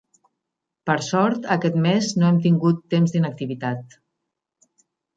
Per sort, aquest mes no hem tingut temps d'inactivitat.